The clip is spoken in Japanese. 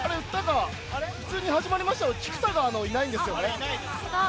普通に始まりましたが菊田がいないんですよね。